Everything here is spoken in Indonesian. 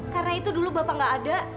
karena itu dulu bapak gak ada